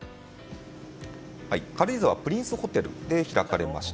軽井沢プリンスホテルで開かれました。